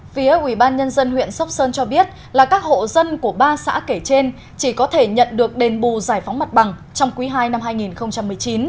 phía ubnd huyện sóc sơn cho biết là các hộ dân của ba xã kể trên chỉ có thể nhận được đền bù giải phóng mặt bằng trong quý ii năm hai nghìn một mươi chín